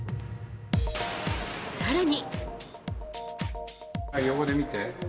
更に。